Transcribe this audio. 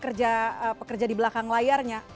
akhirnya kembali lagi ke pekerja di belakang layarnya